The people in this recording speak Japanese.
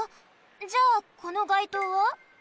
じゃあこのがいとうは？